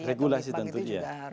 regulasi tentu ya